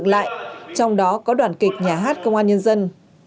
nhiều đơn vị sân khấu chọn dựng lại trong đó có đoàn kịch nhà hát công an nhân dân